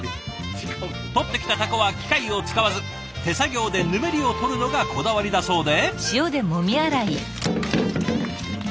捕ってきたタコは機械を使わず手作業でぬめりを取るのがこだわりだそうで。